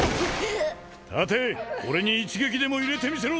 立て俺に一撃でも入れてみせろ！